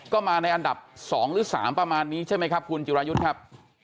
ก็มาในอันดับ๒หรือ๓ประมาณนี้ใช่ไหมครับคุณจิรายุทธ์ครับ